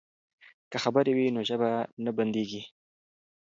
که خبرې وي نو ژبه نه بندیږي.